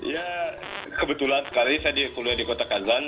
ya kebetulan sekali saya kuliah di kota kazan